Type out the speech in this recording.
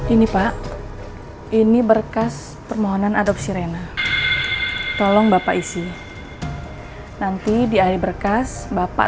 ini pak ini berkas permohonan adopsi rena tolong bapak isi nanti dialih berkas bapak